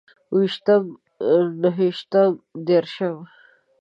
اوويشتم، نهويشتم، ديرشم